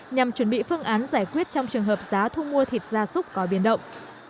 nhằm chuẩn bị phương án giải quyết trong trường hợp giá thu mua thịt gia súc có biến động